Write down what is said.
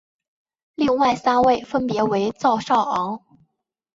另外三位分别为赵少昂。